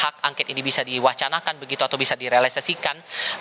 hak angket ini bisa diwacanakan begitu atau bisa direalisasikan